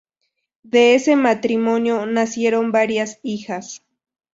De ese matrimonio nacieron varias hijas.